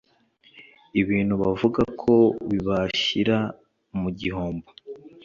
ibintu bavuga ko bibashyira mu gihombo